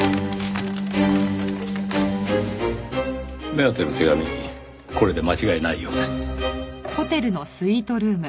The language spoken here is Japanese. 目当ての手紙これで間違いないようです。